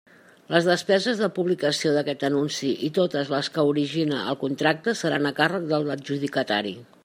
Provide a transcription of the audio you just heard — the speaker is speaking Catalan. Les despeses de publicació d'aquest anunci i totes les que origine el contracte seran a càrrec de l'adjudicatari.